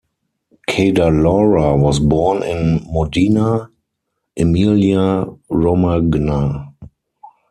Cadalora was born in Modena, Emilia Romagna.